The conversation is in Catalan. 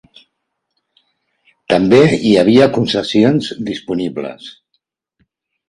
També hi havia concessions disponibles.